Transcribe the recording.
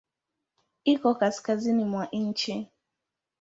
Iko kaskazini mwa nchi.